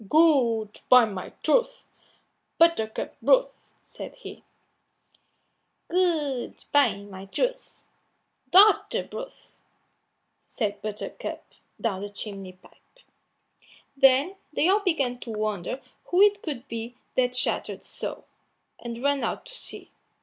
"Good, by my troth! Buttercup broth," said he. "Good, by my troth! Daughter broth," said Buttercup down the chimney pipe. Then they all began to wonder who it could be that chattered so, and ran out to see.